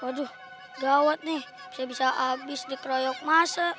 waduh gawat nih kita bisa abis dikeroyok masa